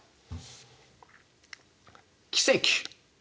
奇跡！